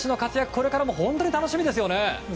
これからも本当に楽しみですよね。